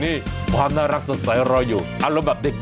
นี่ความน่ารักสดใสรออยู่อารมณ์แบบเด็ก